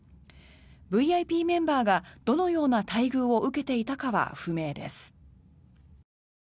ＶＩＰメンバーがどのような待遇を受けていたかは不明です。